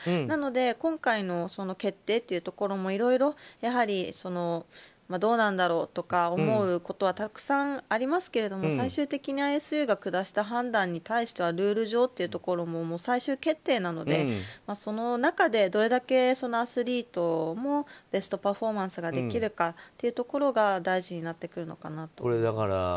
なので今回の決定というところもいろいろ、どうなんだろうとか思うことはたくさんありますけど最終的にＩＳＵが下した判断はルール上というところも最終決定なのでその中でどれだけアスリートもベストパフォーマンスができるかというところが大事になってくるのかなと思います。